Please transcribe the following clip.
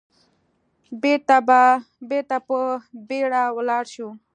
بېرته په بيړه ولاړ شو.